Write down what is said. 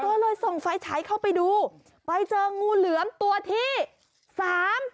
ก็เลยส่องไฟฉายเข้าไปดูไปเจองูเหลือมตัวที่สาม